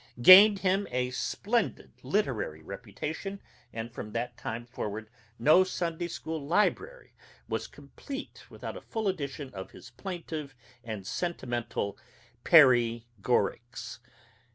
gained him a splendid literary reputation, and from that time forward no Sunday school library was complete without a full edition of his plaintive and sentimental "Perry Gorics."